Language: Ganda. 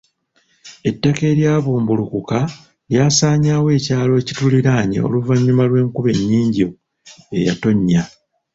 Ettaka eryabumbulukuka lyasaanyaawo ekyalo ekituliraanye oluvannyuma lw'enkuba ennyingi eyatonnya.